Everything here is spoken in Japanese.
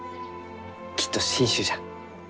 きっと新種じゃ。